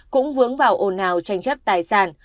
cũng vướng vào ồn ào tranh chấp tài sản